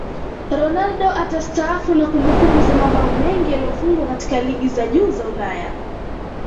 Ronaldo atastaafu na kumbukumbu za mabao mengi yaliyofungwa katika ligi za juu za Ulaya